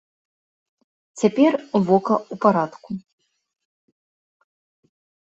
Цяпер вока ў парадку.